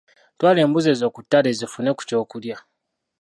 Twala embuzi ezo ku ttale zifune ku ky'okulya.